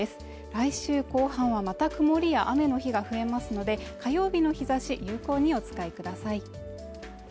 来週後半はまた曇りや雨の日が増えますので火曜日の日ざし、有効にお使いください